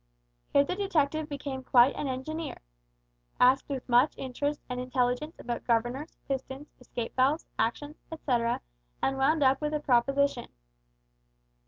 Here the detective became quite an engineer, asked with much interest and intelligence about governors, pistons, escape valves, actions, etcetera, and wound up with a proposition.